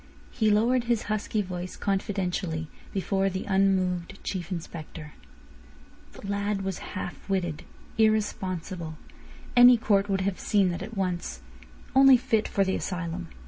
He lowered his husky voice confidentially before the unmoved Chief Inspector. "The lad was half witted, irresponsible. Any court would have seen that at once. Only fit for the asylum.